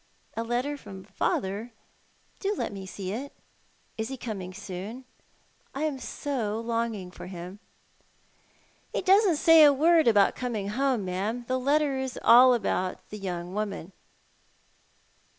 "A letter from father? Do let me see it. Is he coming soon ? I am so longing for him." "He doesn't say a word about coming home, ma'am. The letter is all about the young woman."